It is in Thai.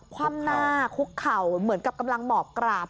คว่ำหน้าคุกเข่าเหมือนกับกำลังหมอบกราบ